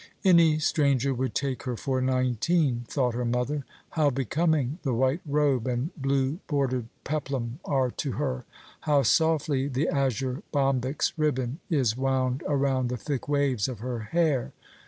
"Any stranger would take her for nineteen," thought her mother. "How becoming the white robe and blue bordered peplum are to her; how softly the azure bombyx ribbon is wound around the thick waves of her hair!